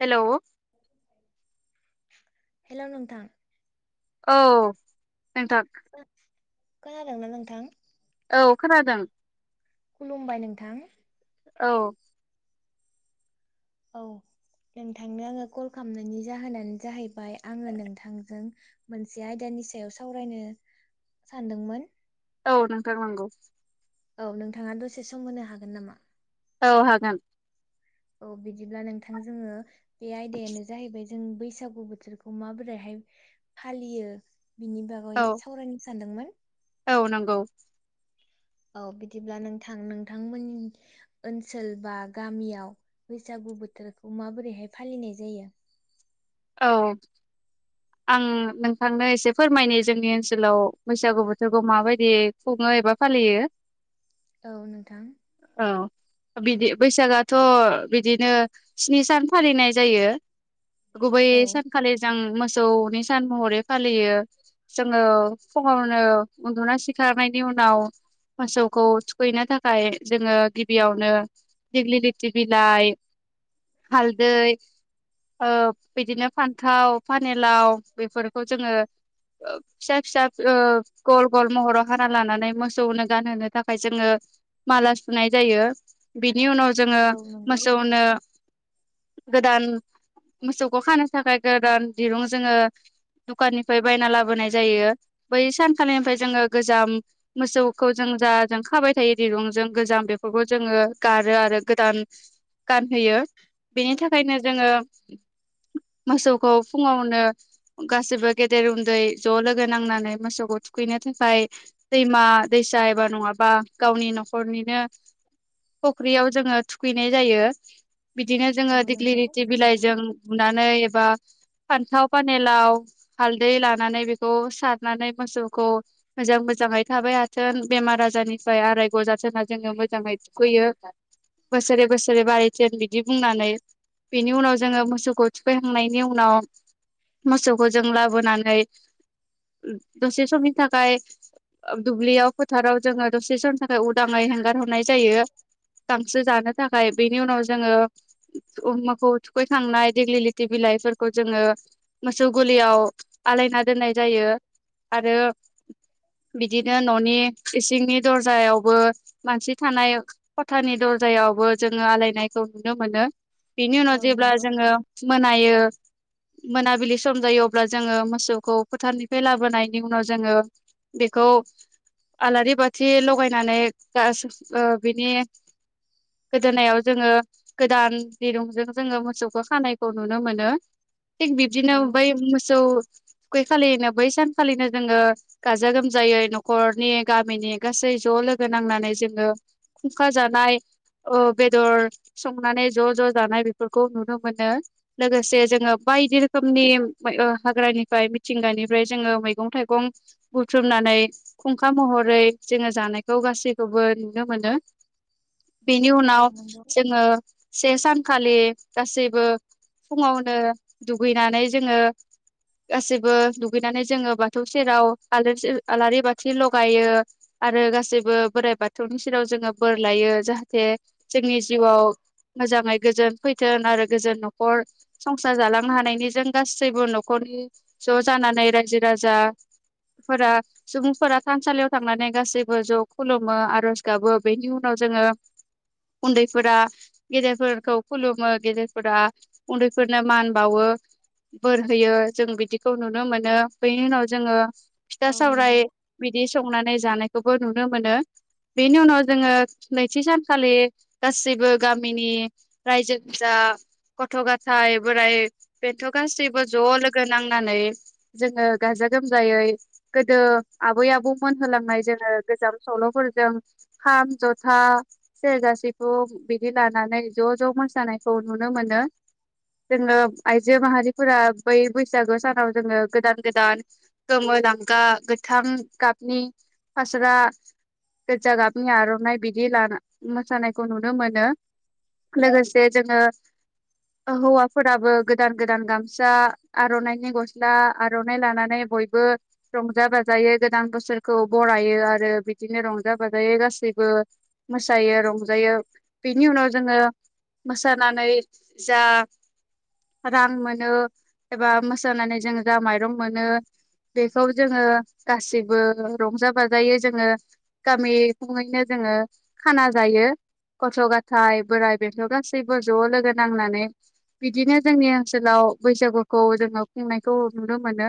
हेल' hello नोंथां औ नोंथां खोनादोंना नोंथां? औ खोनादों खुलुमबाय नोंथां औ औ नोंथांनो आङो कल खालामनायनि जाहोनानो जाहैबाय आङो नोंथांजों मोनसे आयदा नि सायाव सावरायनो सानदोंमोन। औ नोंथां नांगौ औ नोंथाङा दसे सम होनो हागोन नामा? औ हागोन औ बिदिब्ला नोंथां जोङो बे आयदायानो जाहैबाय जों बैसागु बोथोरखौ माबोरैहाय फालियो बिनि बागै औ सावरायनो सानदोंमोन औ नंगौ औ बिदिब्ला नोंथां नोंथांमोननि ओनसोल बा गामियाव बैसा गु बोथोरखौ माबोरैहाय फालिनाय जायो? औ आं नोंथांनो एसे फोरमायनि जोंनि ओनसोलाव बैसागु बोथोरखौ माबादि खुङो बा फालियो औ नोंथां औ बिदि बैसागआाथ' बिदिनो स्नि सान फालिनाय जायो। गुबै औ सानखालि जों मोसौनि सान महरै फालियो। जोङो फुङावनो उन्दुना सिखारनायनि उनाव मोसौखौ थुखैनो थाखाय जोङो गिबियावनो दिगलिथि बिलाइ हालदै ओ बिदिनो फान्थाव फानिलाव बेफोरखौ जोङो। ओ फिसा फिसा ओ गल गल महराव हाना लानानै मोसौनो गानहोनो थाखाय जोङो माला सुनाय जायो। बिनि उनाव जोङो औ नंगौ मोसौनो गोदान मोसौखौ खानो थाखाय गोदान दिरुं जोङो दुखाननिफ्राय बायना लाबोनाय जायो। बै सानखालिनिफ्राय जोङो गोजाम मोसौखौ जों ओं जा जों खाबाय थायो दिरुंजों गोजाम बेफोरखौ जोङो गारो आरो। गोदान गानहोयो बेनि थाखायनो जोङो मोसौखौ फुङावनो गासैबो गेदेर उन्दै ज' लोगो नांनानै मोसौखौ थुखैनो थाखाय दैमा दैसा एबा नङाबा गावनि न'खरनिनो फख्रियाव जोङो थुखैनाय जायो। बिदिनो औ जोङो नंगौ दिेगिलिथि नोंथां बिलाइजों बुनानै एबा फान्थाव फानिलाव हालदै लानानै बेखौ सारनानै मोसौखौ मोजां मोजां जाङै थाबाय हाथों बेमार आजारनिफ्राय आरायग' जाथोंना जोङो मोजाङै थुखैयो। बोसोरे बोसोरे बारायथों बिदि बुंनानै। बेनि उनाव जोङो मोसौखौ थुखैखांनायनि उनाव मोसौखौ जों लाबोनानै दसे समनि थाखाय ओ दुब्लियाव फोथाराव जोङो दसे समनि थाखाय उदाङै हेंगार हरनाय जायो। गांसो जानो थाखाय बेनि उनाव जोङो अफ माखौ थुखैखांनाय दिगलिलिथि बिलाइफोरखौ जोङो मोसौ गलियाव आलायना दोननाय जायो। आरो बिदिनो न'नि इसिंनि दर्जायावबो मानसि थानाय खथानि दर जायावबो जोङो आलायनायखौ नुनो मोनो। बिनि उनाव औ जेब्ला नंगौ जोङो मोनायो मोनाबिलि सम जायो। अब्ला जोङो मोसौखौ फोथारनिफ्राय लाबोनायनि उनाव जोङो बेखौ आलारि बाथि लगायनानै गा सु ओ बिनि गोदोनायाव जोङो गोदान दिरुंजों जोङो मोसौखौ खानायखौ नुनो मोनो। थिक बिबदिनो औ बै मोसौ खै खालिनो बै सानखालिनो जोङो गाजा गोमजायै न'खरनि गामिनि गासै ज' लोगो नांनानै जोङो खुंखा जानाय ओ बेदर संनानै ज' ज' जानाय बेफोरखौ नुनो मोनो। लोगोसे जोङो बायदि रोखोमनि ओ हाग्रानिफ्राय मिथिंगानिफ्राय जोङो मैगं थाइगं बुथ्रुमना नाय खुंखा महरै जोङो जानायखौ गासैखौबो नुनो मोनो। [inaudible] बेनि औ उनाव नंगौ जोङो से सानखालि गासैबो फुङावनो दुगैनानै जोङो। गासैबो दुगैनानै जोङो बाथौ सेराव आलारिस आलारि बाथि लगायो। आरो गासैबो बोराइ बाथौनि सेराव जोङो बोर लायो। जाहाथे जोंनि जिउआव मोजाङै गोजोन फैथों। आरो गोजोन न'खर संसार जालां लांनो हानायनि जों गासैबो न'खरनि ज' जानानै रायजो राजा फोरा सुबुंफोरा थानसालियाव थांनानै गासैबो ज' खुलुमो आर'ज गाबो बेनि उनाव जोङो उन्दैफोरा गेदेरफोरखौ खुलुमो। गेदेरफोरा उन्दैफोरनो मान बावो बोर होयो। जों बिदि खौ नुनो मोनो। बैनि उनाव जोङो फिथा औ नंगौ सावराय बिदि संनानै जानायखौबो नुनो मोनो। बेनि उनाव जोङो नैथि सानखालि गासैबो गामिनि रायजो जा गथ' गाथाय बोराय बेन्थ' गासैबो ज' लोगो नांनानै जोङो गाजा गोमजायै गोदो आबै आबौ मोन होलांनाय जोङो गोजाम सल'फोरजों खाम, जथा सेरजा, सिफुं बिदि लानानै ज' ज' मोसानायखौ नुनो मोनो जोङो आइजो माहारिफोरा बै बैसागु सानाव जोङो गोदान गोदान गोमो लांगा गो थाम गाबनि फास्रा गो्जा गाबनि आर'नाइ बिदि लाना मोसानायखौ नुनो मोनो। लोगोसे जोङो हौवाफोराबो गोदान गोदान गामसा आर'नाइनि गस्ला आर'नाइ लानानै बयबो रंजा बाजा जायो गोदान बोसोरखौ बरायो आरो बिदिनो रंजा बाजायोै गासैबो मोसायो रंजायो बेनि उनाव जोङो मोसानानै जा रां मोनो एबा मोसानानै जों जा माइरं मोनो बेखौ जोङो गासिबो रंजा बाजायै जोङो गामि खङैनो जो जोङो खाना जायो। गथ' गाथाय बोराइ बेथौ गासैबो ज' लोगो नांनानै बिदिनो जोंनि ओनसोलाव बैसागुखौ जोङो खुंनायखौ नुनो मोनो।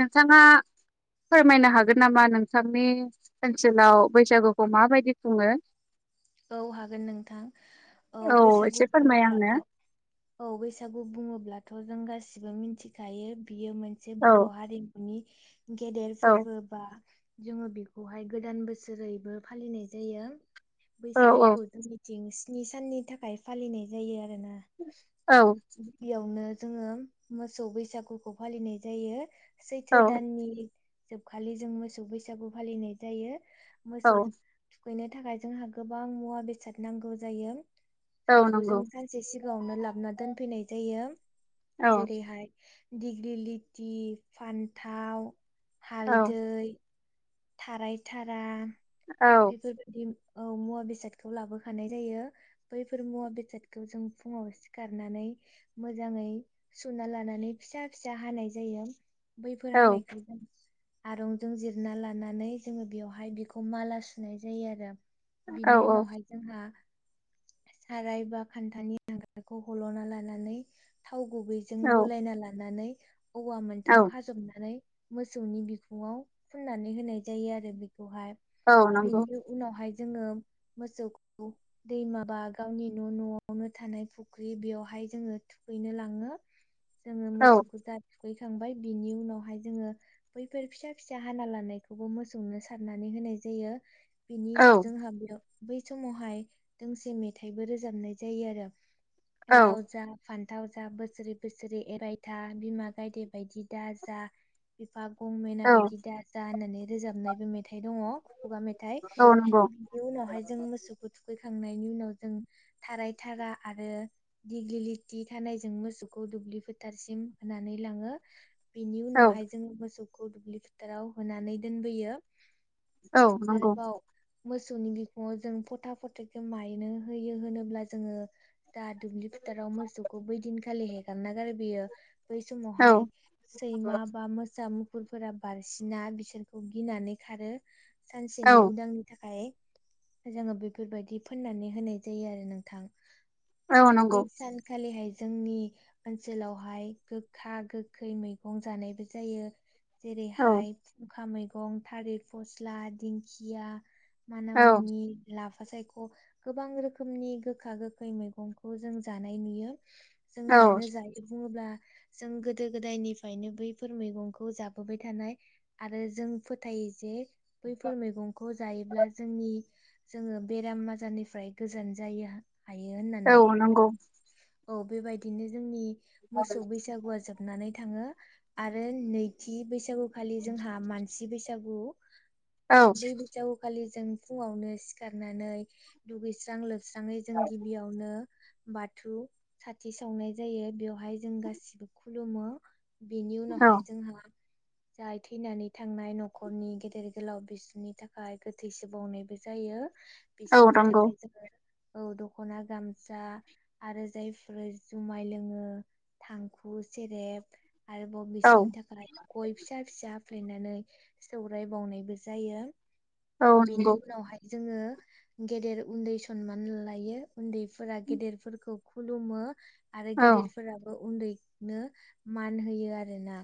नोंथाङा फोरमायनो हागोन नामा नोंथांनि ओनसोलाव बैसागुखौ माबायदि खुङो? औ हागोन नोंथां औ एसे बैसागु फोरमाय आंनो दुङब्लाथ' औ बैसागु। बैसागु बुङोब्लाथ' जों गासिबो मिथिखायो बियो मोनसे बर' औ हारिमुनि गेदेर औ फोरबो बा जोङो बेखौहाय गोदान बोसोरैबो फालिनाय जायो। औ औ बैसागुखौ जोंनिथिं स्नि साननि थाखाय फालिनाय जायो आरोना औ गिबियावनो जोङो मोसौ बैसागुखौ फालिनाय जायो। सैथो दाननि जोबखालि जों मोसौ बैसागु फालिनाय जायो। औ मोसौ थुखैनो थाखाय जोंहा गोबां मुवा बेसाद नांगौ जायो। औ जायखौ नंगौ जों सानसे सिगाङावनो लाबोना दोनफैनाय जायो। औ जेरैहाय दिडिग्रिलिथि, फान्थाव - औ हालदै, थाराय थारा औ बेफोरबायदि औ मुवा बेसादखौ लाबोखानाय जायो बैफोर मुवा बेसादखौ जों फुङाव सिखारनानै मोजाङै सुना लानानै फिसा फिसा हानाय जायो। औ बैफोर हानायखौ जों आरंजों जिरना ला लानानै जोङो बेयावहाय बेखौ माला सुनाय जायो आरो बिनि औ उनावहाय जोंहा साराय बा खान्थानि हांगारखौ हल'ना लानानै थाव गुबैजों गलायना लानानै औवा औ मोनथाम खाजबनानै मोसौनि बिखुाव फुननानै होनाय जायो आरो बिखौहाय औ नंगौ बिनि उनावहाय जोङो मोसौखौ दैमाबा गावनि न' न'आवनो थानाय फुख्रि बेयावहाय जोङो थुखैनो लाङो। जोङो औ मोसौखौ जा थुखैखांबाय बिनि उनावहाय जोङो बैफोर फिसा फिसा हाना लानाय बेखौबो मोसौनो सारनानै होनाय जायो बिनि उनाव औ जोंहा बेयाव बै समावहाय दोंसे मेथाइबो रोजाबनाय जायो आरो औ लाव जा फान थाव जा बोसोरै बोसोरै एरायथा बिमा गायदे बायदि दा जा आफफा गंमेना औ बायदि दाजा होननानै रोजाबनायबो मेथाइ दङ' खुगा मेथाइ औ नंगौ बिनि उनावहाय जों मोसौखौ थुखैखां नायनि उनाव जों थाराय थारा आरो दिग्लिलि थानाय जों मोसौखौ द दुब्लि फोथारसिम होनानै लाङो। बिनि औ उनावहाय जोङो मोसौखौ दुब्लि फोथाराव होनानै दोनबोयो औ नंगौ। आरोबाव मोसौनि बिखङाव जों फथा फथखौ मायनो होयो होनोब्ला जोङो दा दुब्लि टाराव मोसौखौ बैदिनखालि हेगारना गारबोयो। बै समावहाय औ सैमा बा मोसा, मुफुरफोरा बारसिना बिसोर खौ गिनानै खारो, औ सानसेनि उदांनि थाखाय जोङो बेफोरबादि फोननानै होनाय जायो आरो नोंथां। औ बै नंगौ सानखालिहाय जोंनि ओनसोलावहाय गोखा गोखै मैगं जानायबो जायो। औ जेरैहाय खुंखा मैगं, थालिर फस्ला, दिंखिया, औ मानामुनि, ला फा सायख'। गोबां रोखोमनि गोखा गोखै मैगंखौ जों जानाय नुयो। जों औ मानो जायो बुङोब्ला जों गोदो गोदायनिफायनो बैफोर मैगंखौ जाबोबाय थानाय। आरो जों फोथायो जे बैफोर मैगंखौ जायोब्ला जोंनि जोङो बेराम आजारनिफ्राय गोजान जायो हायो औ नंगौ औ होननानै औ नंगौ औ। बेबायदिनो जोंनि मोसौ बैसागुआ जोब नानै थाङो आरो नैथि बैसागुखालि जोंहा मानसि बैसागु औ बेै बैसागुखाालि जों फुङावनो सिखारनानै दुगैस्रां लोबस्राङै जों गिबियावनो बा थु साथि सावनाय जायो बेवहाय जों गासिबो खुलुमो। बेनि उनावहाय जोंहा जाय थैनानै थांनाय न'खरनि गेदेर गोलाव बिसिनि थाखाय गोथैसो बावनायबो जायो। औ बिसिनि नंगौ थाखाय जोङो औ दख'ना गामसा आरो जायफोर जुमाय लोङो थांखु, सेरेब आरो औ बिसिनि थाखाय गय फिसा फिसा हाफ्लेनानै सौराय बावनायबो जायो। औ नंगौ बेनि उनावहाय जोङो गेदेर उन्दै सनमान लायो उन्दैफोरा गेदेरफोरखौ खुलुमो आरो औ गेदेरफोराबो उन्दैनो मान होयो आरोना।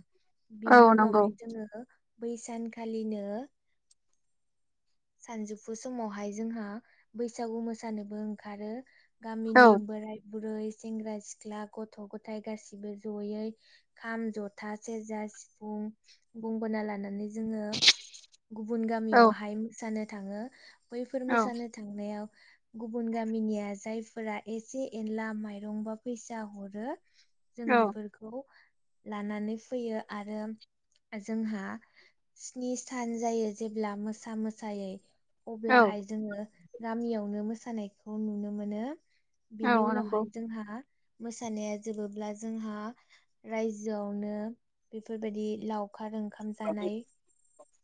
बिनि औ उनावहाय जोङो बै सानखालिनो सानजौफु समावहाय जोंहा बैसागु मोसानोबो ओंखारो‌। गामिनि बोराय बुरै, सेंग्रा सिख्ला, गथ' गथाय गासिबो जयै खाम, जथा, सेरजा, सिफुं, गंगोना लानानै जोङो गुबुन गामियावहाय मोसानो थाङो। बैफोर मोसानो थांनायाव गुबुन गामिनिया जायफोरा एसे एनला माइरं बा फैसा हरो जों औ बिफोरखौ लानानै फैयो आरो जोंहा स्नि सान जायो जेब्ला मोसा मो सायै औ अब्लाहाय औ जोङो गामियावनो मोसानायखौ नुनो मोनो। बिनि नंगौ उनावहाय जोंहा मोसानाया जोबोब्ला जोंहा रायजोआवनो बेफोरबादि लाव खार ओंखाम जानाय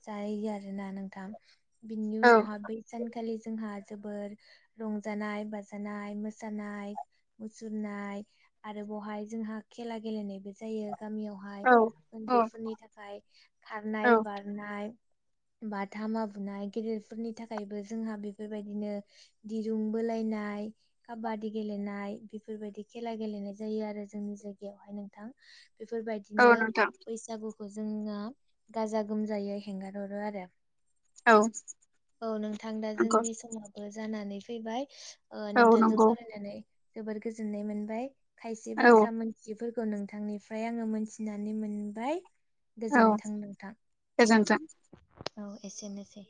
जायो आरोना नोंथां। औ बिनि उनावहा औ बै सानखालि जोंहा जोबोर रंजानाय, बाजानाय, मोसानाय मुसुरनाय आरो बावहाय जोंहा खेला गेलेनायबो जायो औ गामियावहाय औ उन्दैफोरनि थाखाय खारनाय बारनाय बाथा मा नाय, गेदेरफोरनि थाखायबो जोंहा बेफोरबायदिनो दिरुं बोलायनाय काबा दि गेलेनाय। बेफोरबादि खेला गेलेनाय जायो आरो जोंनि जायगायावहाय नोंथां। औ बेफोरबायदिनो नोंथां बैसागु खौ जोङो गाजा गोमजायै हेंगार हरो आरो। औ नोंथां दा जोंनि समाबो जानानै फैबाय। ओ औ नोंथांजों नंगौ सावरायनानै जोबोर गोजोननाय मोनबाय खायसे औ नंगौ औ बाथ्रा मोनथियैफोरखौ खौ नोंथांनिफ्राय आङो मोनथिनानै मोनबाय औ गोजोनथों नोंथां। गोजोन्थों औ एसेनोसै।